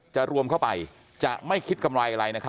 จะรวมเข้าไปจะไม่คิดกำไรอะไร